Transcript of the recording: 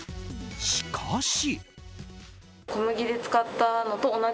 しかし。